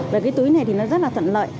và cái túi này thì nó rất là thận lợi